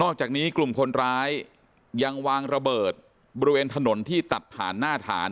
จากนี้กลุ่มคนร้ายยังวางระเบิดบริเวณถนนที่ตัดผ่านหน้าฐาน